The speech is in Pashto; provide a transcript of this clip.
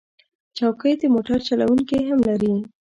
چوکۍ د موټر چلونکي هم لري.